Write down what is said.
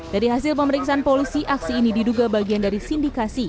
dari hasil pemeriksaan polisi aksi ini diduga bagian dari sindikasi